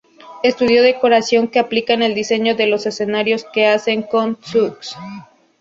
Estudió decoración que aplica en el diseño de los escenarios que hace con "Txus".